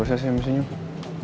gak usah sih ambil senyum